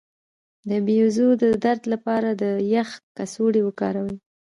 د بیضو د درد لپاره د یخ کڅوړه وکاروئ